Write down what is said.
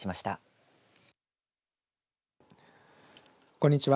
こんにちは。